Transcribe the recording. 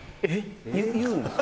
言うんですか？